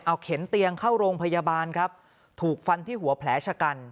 เอาเข็นเตียงเข้าโรงพยาบาลครับถูกฟันที่หัวแผลชะกัน